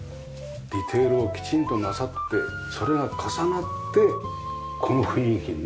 ディテールをきちんとなさってそれが重なってこの雰囲気になるわけだ。